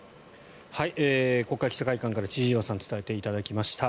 国会記者会館から千々岩さんに伝えていただきました。